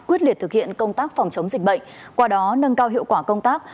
quyết liệt thực hiện công tác phòng chống dịch bệnh qua đó nâng cao hiệu quả công tác